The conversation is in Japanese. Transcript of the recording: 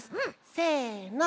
せの。